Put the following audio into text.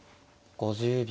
５０秒。